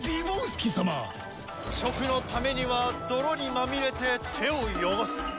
食のためには泥にまみれて手を汚す。